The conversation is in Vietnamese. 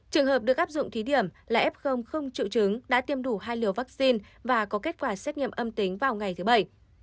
trường hợp được áp dụng thí điểm là f không triệu chứng đã tiêm đủ hai liều vaccine và có kết quả xét nghiệm âm tính vào ngày thứ bảy